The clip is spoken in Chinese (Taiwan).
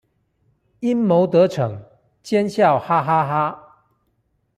陰謀得逞，奸笑哈哈哈